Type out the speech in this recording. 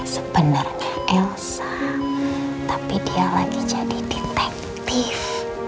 sebenarnya elsa tapi dia lagi jadi detektif